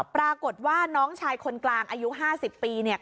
ปรากฏว่าน้องชายคนกลางอายุ๕๐ปีเนี่ย